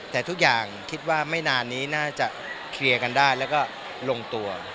แต่ทุกอย่างคิดว่าไม่นานนี้น่าจะเคลียร์กันได้แล้วก็ลงตัว